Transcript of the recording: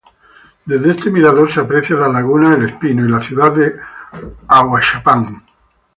Desde este mirador se aprecia la Laguna El Espino y la Ciudad de Ahuachapán.